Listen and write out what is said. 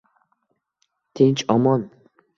Tinch, omon…